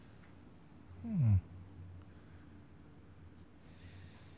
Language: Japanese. うん。